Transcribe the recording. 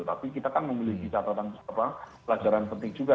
tapi kita kan memiliki catatan pelajaran penting juga